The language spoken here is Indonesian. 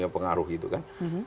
pengaruh itu kan